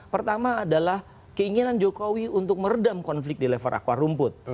pertama adalah keinginan jokowi untuk meredam konflik di level akar rumput